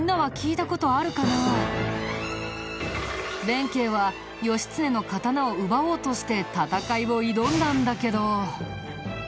弁慶は義経の刀を奪おうとして戦いを挑んだんだけど。